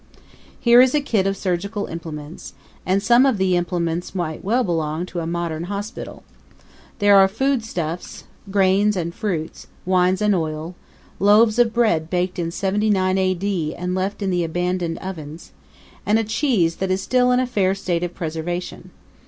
Here is a kit of surgical implements, and some of the implements might well belong to a modern hospital. There are foodstuffs grains and fruits; wines and oil; loaves of bread baked in 79 A. D. and left in the abandoned ovens; and a cheese that is still in a fair state of preservation.